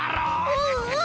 うんうん。